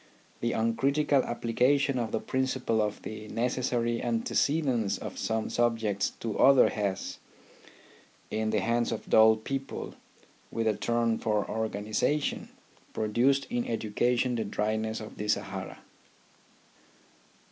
The uncritical application of the principle of the necessary antecedence of some subjects to others has, in the hands of dull people with a turn for organization, produced in educa tion the dryness of the Sahara.